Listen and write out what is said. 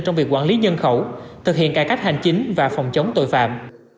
trong việc quản lý nhân khẩu thực hiện cải cách hành chính và phòng chống tội phạm